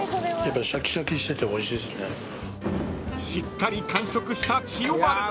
［しっかり完食した千代丸］